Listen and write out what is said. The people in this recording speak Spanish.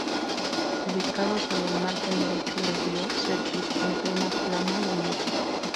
Ubicado sobre el margen derecho del río Serpis, en plena plana de Muro.